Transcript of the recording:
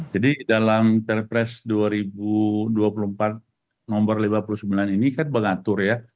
jadi dalam telepres dua ribu dua puluh empat nomor lima puluh sembilan ini kan mengatur ya